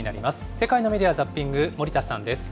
世界のメディア・ザッピング、森田さんです。